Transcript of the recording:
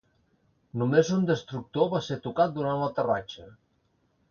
Només un destructor va ser tocat durant l'aterratge.